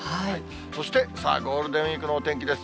そして、さあ、ゴールデンウィークのお天気です。